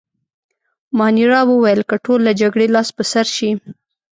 مانیرا وویل: که ټول له جګړې لاس په سر شي.